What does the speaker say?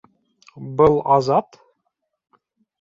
Был Азат?